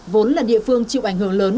vốn là địa phương chịu ảnh hưởng lớn